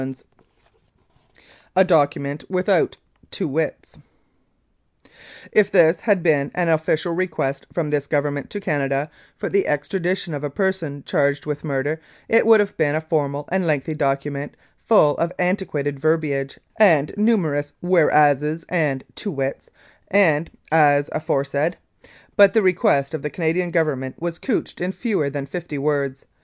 252 i The Benson Murder and Arson "A DOCUMENT WITHOUT 'To wrrs' " If this had been an official request from this Govern ment to Canada for the extradition x>f a person charged with murder it would have been a formal and lengthy document, full of antiquated verbiage and numerous ' whereases ' and ' to wits ' and ' as aforesaid.' But the request of the CanadianGovernment was couched in fewer than fifty words.